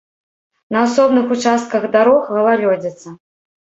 На асобных участках дарог галалёдзіца.